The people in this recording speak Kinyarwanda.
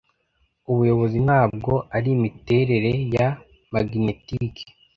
ubuyobozi ntabwo ari imiterere ya magnetique